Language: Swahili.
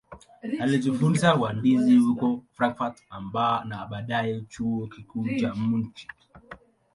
Alijifunza uhandisi huko Frankfurt na baadaye Chuo Kikuu cha Munich.